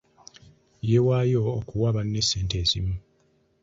Yeewaayo okuwa banne ssente ezimu.